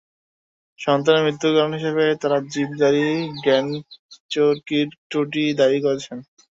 সন্তানের মৃত্যুর কারণ হিসেবে তাঁরা জিপ গাড়ি গ্র্যান্ড চেরোকির ত্রুটিকেই দায়ী করেছেন।